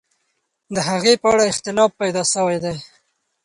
د هغې په اړه اختلاف پیدا سوی دی.